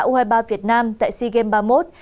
u hai mươi ba việt nam tại sea games ba mươi một